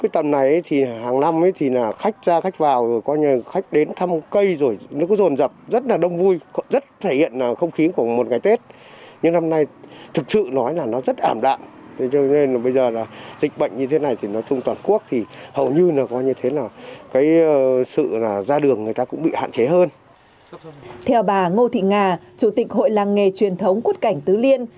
theo bà ngô thị nga chủ tịch hội làng nghề truyền thống quất cảnh tứ liên